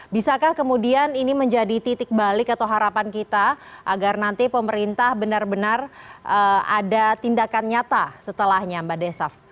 bisakah kemudian ini menjadi titik balik atau harapan kita agar nanti pemerintah benar benar ada tindakan nyata setelahnya mbak desaf